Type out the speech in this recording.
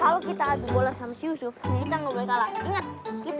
kalau kita adu bola sama si yusuf kita gak boleh kalah